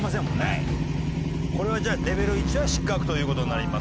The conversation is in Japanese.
これはじゃあレベル１は失格という事になります。